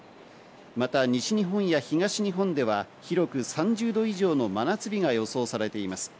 また西日本や東日本では、広く３０度以上の真夏日が予想されています。